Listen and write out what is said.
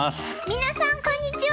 皆さんこんにちは。